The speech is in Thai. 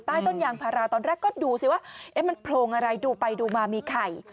ใต้ต้นยางพาราตอนแรกก็ดูสิว่ามันโพรงอะไรดูไปดูมามีไข่